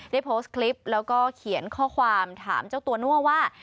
ได้โพสต์คลิปแล้วก็เขียนข้อความถามเจ้าตัวนั่วว่า